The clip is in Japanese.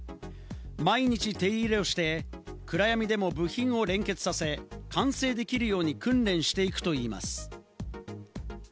毎日手入れをして暗闇でも部品を連結させ、完成できるように訓練していくといいます。